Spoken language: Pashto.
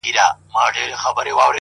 o پاڅه چي ځو ترې . ه ياره.